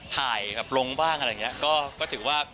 ถ่ายลงบ้างก็ถือว่า